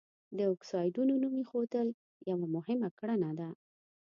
د اکسایډونو نوم ایښودل یوه مهمه کړنه ده.